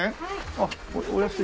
あっお安い。